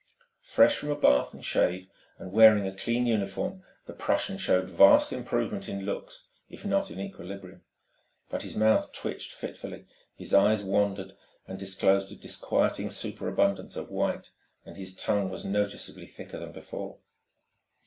Fresh from a bath and shave and wearing a clean uniform, the Prussian showed vast improvement in looks if not in equilibrium. But his mouth twitched fitfully, his eyes wandered and disclosed a disquieting superabundance of white, and his tongue was noticeably thicker than before.